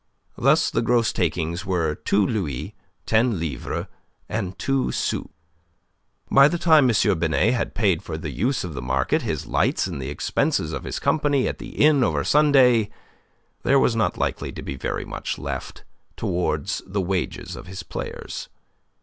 Thus the gross takings were two louis, ten livres, and two sous. By the time M. Binet had paid for the use of the market, his lights, and the expenses of his company at the inn over Sunday, there was not likely to be very much left towards the wages of his players.